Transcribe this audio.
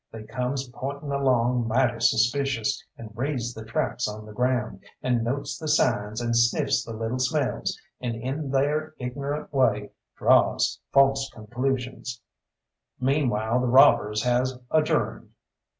They comes pointing along mighty suspicious, and reads the tracks on the ground, and notes the signs, and sniffs the little smells, and in they'r ignorant way draws false concloosions. Meanwhile the robbers has adjourned."